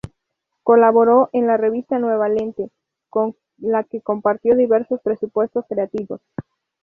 Colaboró en la revista Nueva Lente con la que compartió diversos presupuestos creativos.